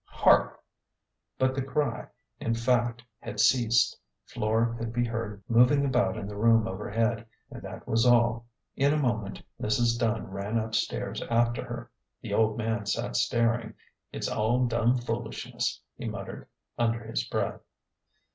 " Hark !" But the cry, in fact, had ceased. Flora could be heard moving about in the room overhead, and that was all. In a moment Mrs. Dunn ran up stairs after her. The old man sat staring. " It's all dum foolishness," he muttered, under his breath.